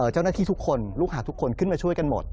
เจ้าหน้าที่ทุกคนลูกหาทุกคนขึ้นมาช่วยกันหมด